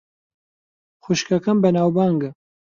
خوشکەکەم بەناوبانگە.